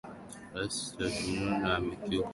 rais rajorina amekiuka makumbaliano ya awali